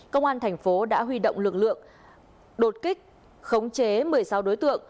công an thành phố đã huy động lực lượng đột kích khống chế một mươi sáu đối tượng